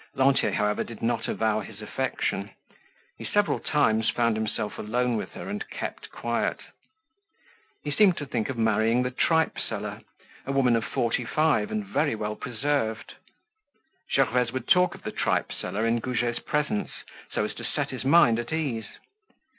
Lantier, however, did not avow his affection. He several times found himself alone with her and kept quiet. He seemed to think of marrying the tripe seller, a woman of forty five and very well preserved. Gervaise would talk of the tripe seller in Goujet's presence, so as to set his mind at ease.